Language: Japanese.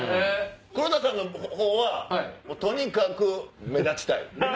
黒田さんのほうはとにかく目立ちたい。